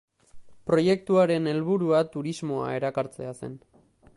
Proiektuaren helburua turismoa erakartzea zen.